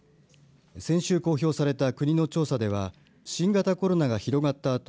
先週公表された国の調査では新型コロナが広がった